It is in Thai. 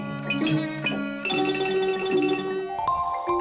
อุบะดอกไม้ทัด